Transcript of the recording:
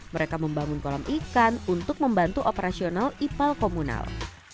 mereka membangun kolam ikan untuk membantu operasional ipal komunal